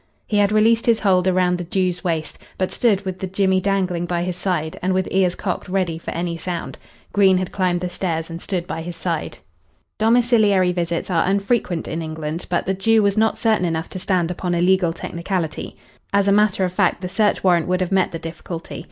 He had released his hold round the Jew's waist, but stood with the jemmy dangling by his side and with ears cocked ready for any sound. Green had climbed the stairs and stood by his side. Domiciliary visits are unfrequent in England, but the Jew was not certain enough to stand upon a legal technicality. As a matter of fact, the search warrant would have met the difficulty.